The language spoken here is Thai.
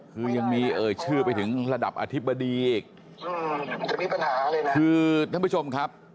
คือยังมีเอ่ยชื่อไปถึงระดับอธิบดีอีกจะมีปัญหาเลยนะคือท่านผู้ชมครับ